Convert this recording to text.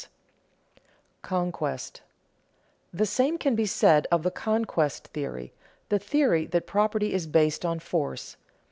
[Sidenote: Conquest] The same can be said of the conquest theory, the theory that property is based on force.